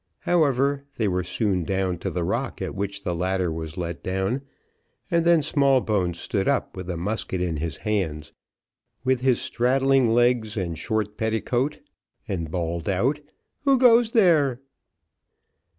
However, they were soon down to the rock at which the ladder was let down, and then Smallbones stood up with a musket in his hands, with his straddling legs and short petticoat, and bawled out, "Who comes there?"